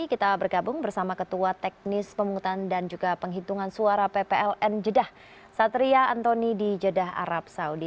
kita bergabung bersama ketua teknis pemungutan dan juga penghitungan suara ppln jeddah satria antoni di jeddah arab saudi